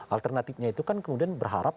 alternatifnya itu kan kemudian berharap